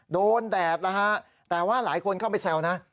แดดแล้วฮะแต่ว่าหลายคนเข้าไปแซวนะ